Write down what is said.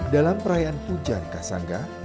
dalam perayaan pujan kasanga